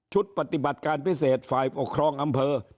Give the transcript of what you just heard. ปฏิบัติการพิเศษฝ่ายปกครองอำเภอ